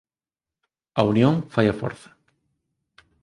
A unión fai a forza.